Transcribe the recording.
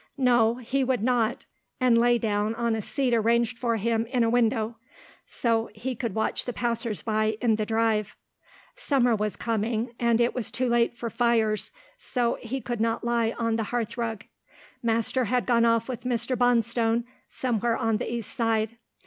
No, he would not, and lay down on a seat arranged for him in a window, so he could watch the passers by in the Drive. Summer was coming, and it was too late for fires, so he could not lie on the hearth rug. Master had gone off with Mr. Bonstone somewhere on the East Side.